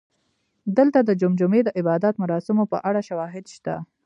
دلته د جمجمې د عبادت مراسمو په اړه شواهد شته